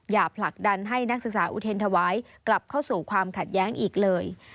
ผลักดันให้นักศึกษาอุเทรนธวายกลับเข้าสู่ความขัดแย้งอีกเลย